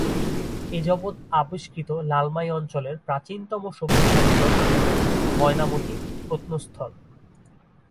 এযাবৎ আবিষ্কৃত লালমাই অঞ্চলের প্রাচীনতম সভ্যতার নিদর্শন হল ময়নামতি প্রত্নস্থল।